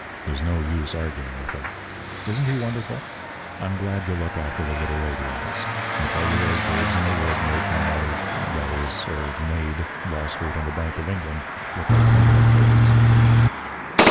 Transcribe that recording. There's no use arguing with him. Isn't he wonderful? I'm glad you'll look after the little lady, Alice. I tell you those Babes in the Wood made my that is, er made Wall Street and the Bank of England look like penny arcades."